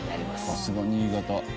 さすが新潟。